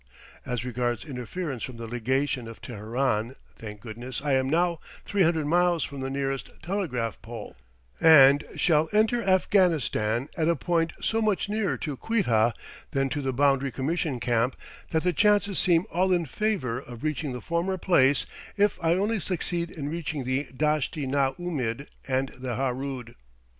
As regards interference from the Legation of Teheran, thank goodness I am now three hundred miles from the nearest telegraph pole, and shall enter Afghanistan at a point so much nearer to Quetta than to the Boundary Commission Camp that the chances seem all in favor of reaching the former place if I only succeed in reaching the Dasht i na oomid and the Harood.